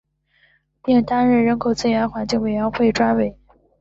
并担任人口资源环境委员会专委。